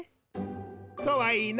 かわいいな。